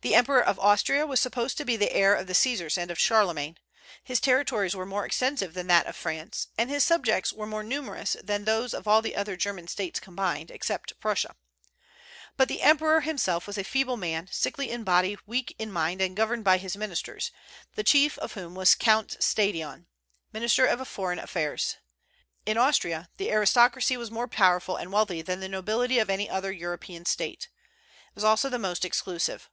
The emperor of Austria was supposed to be the heir of the Caesars and of Charlemagne. His territories were more extensive than that of France, and his subjects more numerous than those of all the other German States combined, except Prussia. But the emperor himself was a feeble man, sickly in body, weak in mind, and governed by his ministers, the chief of whom was Count Stadion, minister of foreign affairs. In Austria the aristocracy was more powerful and wealthy than the nobility of any other European State. It was also the most exclusive.